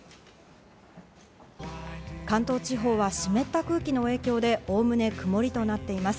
関東地方は湿った空気の影響で概ね曇りとなっています。